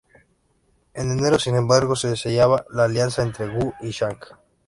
En enero, sin embargo, se sellaba la alianza entre Wu y Zhang.